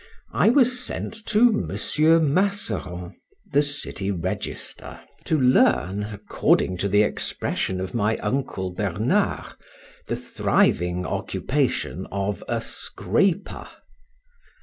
I was sent to Mr. Masseron, the City Register, to learn (according to the expression of my uncle Bernard) the thriving occupation of a scraper.